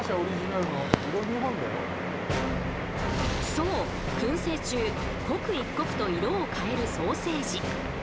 そうくん製中刻一刻と色を変えるソーセージ。